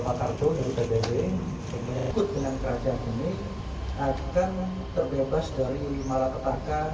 pengen ikut dengan kerajaan ini akan terbebas dari malapetaka